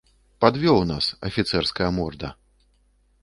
Падвёў нас, афіцэрская морда!